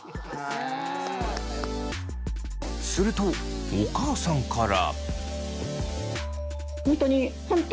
するとお母さんから。